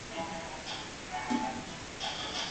چي ښکل دي کړمه